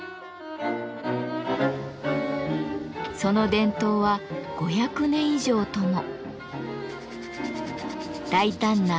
その伝統は５００年以上とも。